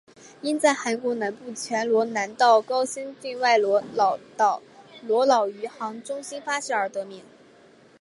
因在韩国南部全罗南道高兴郡外罗老岛罗老宇航中心发射而得名。